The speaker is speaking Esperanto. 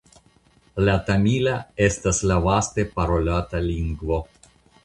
La tamila estas la vaste parolata lingvo.